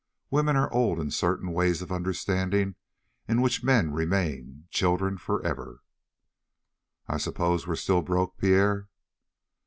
Women are old in certain ways of understanding in which men remain children forever. "I suppose we're still broke, Pierre?"